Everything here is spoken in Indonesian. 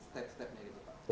step stepnya gitu pak